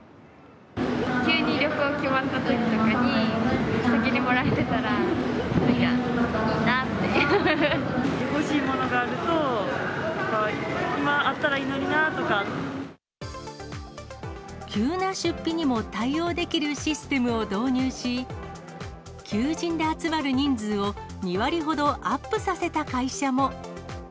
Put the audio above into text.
急に旅行決まったときとかに、欲しいものがあると、今、急な出費にも対応できるシステムを導入し、求人で集まる人数を２割ほどアップさせた会社も。